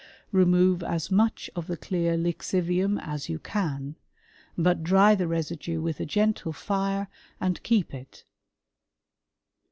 Remove as much of the clear lixivium as you can ; but dry the residue with a gentle fire and keep it."